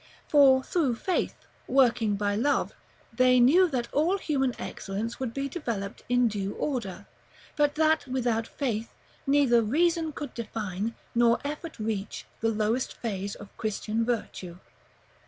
For through faith, working by love, they knew that all human excellence would be developed in due order; but that, without faith, neither reason could define, nor effort reach, the lowest phase of Christian virtue.